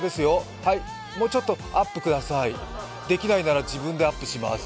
はい、もうちょっとアップくださいできないなら自分でアップします。